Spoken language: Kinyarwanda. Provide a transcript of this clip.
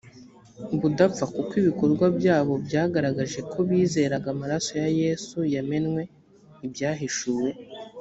budapfa kuko ibikorwa byabo byagaragaje ko bizeraga amaraso ya yesu yamenwe ibyahishuwe